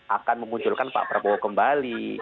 akan memunculkan pak prabowo kembali